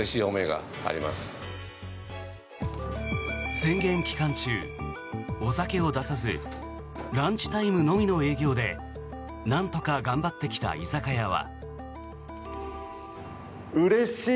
宣言期間中、お酒を出さずランチタイムのみの営業でなんとか頑張ってきた居酒屋は。